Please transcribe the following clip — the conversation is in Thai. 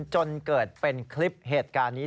จนเกิดเป็นคลิปเหตุการณ์นี้